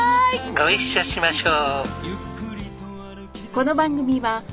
ご一緒しましょう。